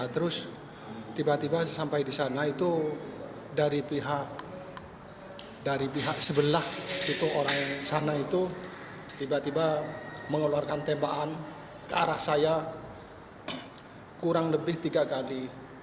terus tiba tiba sampai di sana itu dari pihak dari pihak sebelah itu orang sana itu tiba tiba mengeluarkan tembakan ke arah saya kurang lebih tiga kali